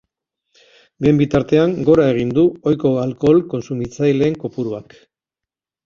Bien bitartean, gora egin du ohiko alkohol kontsumitzaileen kopuruak.